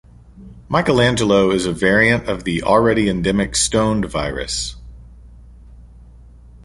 Michelangelo is a variant of the already endemic Stoned virus.